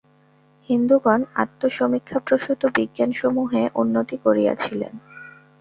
হিন্দুগণ আত্মসমীক্ষাপ্রসূত বিজ্ঞানসমূহে উন্নতি করিয়াছিলেন।